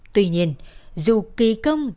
tuy nhiên dù kỳ công